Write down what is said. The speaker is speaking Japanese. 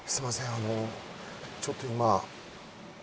あのちょっと今。